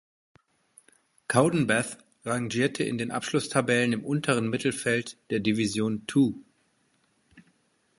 Cowdenbeath rangierte in den Abschlusstabellen im unteren Mittelfeld der Division Two.